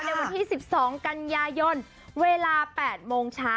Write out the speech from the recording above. ในวันที่๑๒กันยายนเวลา๘โมงเช้า